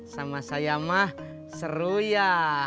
sama saya mah seru ya